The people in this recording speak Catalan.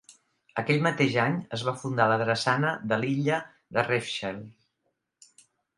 Aquell mateix any es va fundar la drassana de l'illa de Refshale.